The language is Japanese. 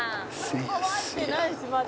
「乾いてないしまだ」